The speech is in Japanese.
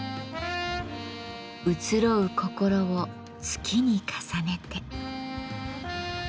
移ろう心を月に重ねて。